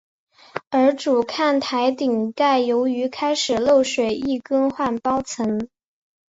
而主看台顶盖由于开始漏水亦更换包层。